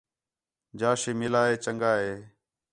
جَا شے مِلا ہے چَنڳا ہے